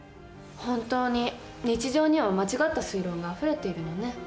本当に日常には間違った推論があふれているのね。